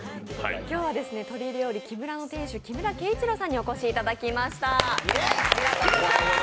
今日は鶏料理きむらの店主、木村圭一郎さんにお越しいただきました。